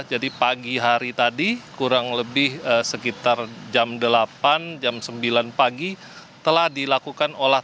jadi pagi hari tadi kurang lebih sekitar jam delapan jam sembilan pagi telah dilakukan olah